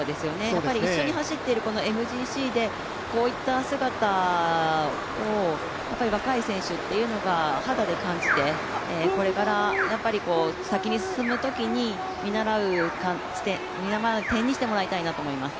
やっぱり一緒に走っているＭＧＣでこういった姿を若い選手が肌で感じて、これから先に進むときに見習う点にしてもらいたいなと思います。